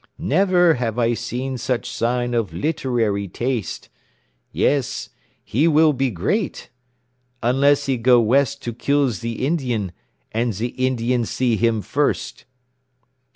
Never have I seen such sign of literary taste. Yes, he will be great unless he go west to kill ze Indian, and ze Indian see him first."